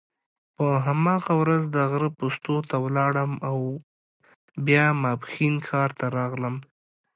په هماغه ورځ د غره پوستو ته ولاړم او بیا ماپښین ښار ته راغلم.